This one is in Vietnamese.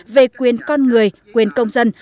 về quyền con người quyền công dân